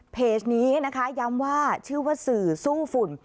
เพจนี้นะคะย้ำว่าชื่อว่าสื่อสู้ฝุ่น